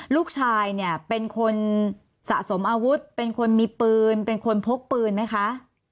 ลูกชายเนี่ยเป็นคนสะสมอาวุธเป็นคนมีปืนเป็นคนพกปืนไหมคะ